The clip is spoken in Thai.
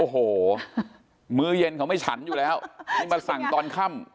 โอ้โหมื้อเย็นเขาไม่ฉันอยู่แล้วนี่มาสั่งตอนค่ำ